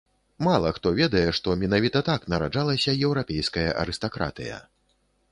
Мала хто ведае, што менавіта так нараджалася еўрапейская арыстакратыя.